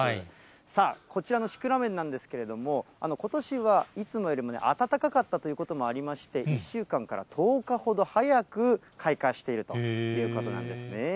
さあ、こちらのシクラメンなんですけれども、ことしはいつもよりも暖かかったということもありまして、１週間から１０日ほど早く開花しているということなんですね。